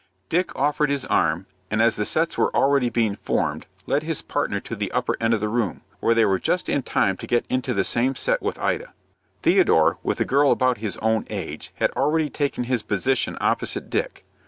Dick offered his arm, and, as the sets were already being formed, led his partner to the upper end of the room, where they were just in time to get into the same set with Ida. Theodore, with a girl about his own age, had already taken his position opposite Dick.